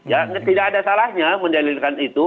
ya tidak ada salahnya mendalilkan itu